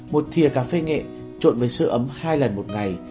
một thiều cà phê nghệ trộn với sữa ấm hai lần một ngày